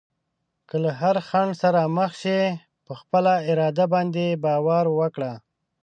که له هر خنډ سره مخ شې، په خپل اراده باندې باور وکړه.